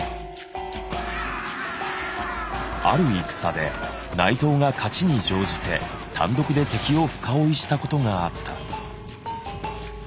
ある戦で内藤が勝ちに乗じて単独で敵を深追いしたことがあった。